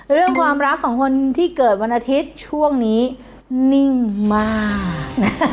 เรื่องความรักของคนที่เกิดวันอาทิตย์ช่วงนี้นิ่งมากนะ